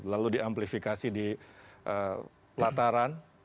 lalu di amplifikasi di lataran